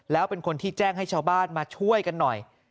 แล้วเป็นคนที่แจ้งให้ชาวบ้านมาช่วยกันหน่อย